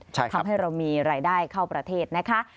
ทำให้เรามีรายได้เข้าประเทศนะคะ